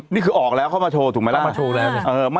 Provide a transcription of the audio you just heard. นี่คือออกแล้วเขามาโชว์ถูกไหมแล้วมาโชว์แล้วเนี่ย